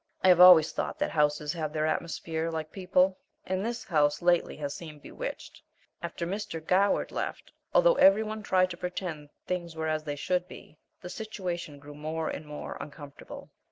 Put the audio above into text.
I have always thought that houses have their atmosphere, like people, and this house lately has seemed bewitched. After Mr. Goward left, although every one tried to pretend things were as they should be, the situation grew more and more uncomfortable.